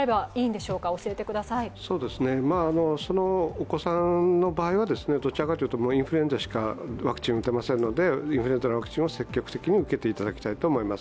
お子さんの場合はどちらかというとインフルエンザしかワクチン打てませんので、インフルエンザのワクチンを積極的に打っていただきたいと思います。